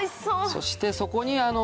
そしてそこに。